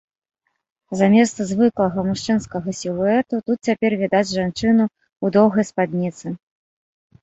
Замест звыклага мужчынскага сілуэту тут цяпер відаць жанчыну ў доўгай спадніцы.